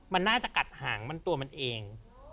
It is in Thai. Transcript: มันน่าจะกัดหางมันตัวมันเอง